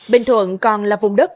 bình thuận còn là vùng đất